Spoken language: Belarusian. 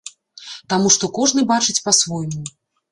Таму што кожны бачыць па-свойму.